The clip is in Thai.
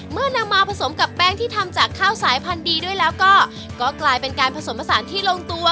เมื่อนำมาผสมกับแป้งที่ทำจากข้าวสายพันธุ์ดีด้วยแล้วก็กลายเป็นการผสมผสานที่ลงตัว